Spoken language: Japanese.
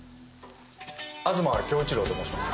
東京一郎と申します。